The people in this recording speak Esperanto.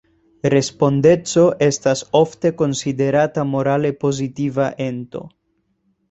Respondeco estas ofte konsiderata morale pozitiva ento.